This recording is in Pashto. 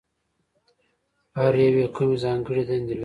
هر یو یې کومې ځانګړې دندې لري؟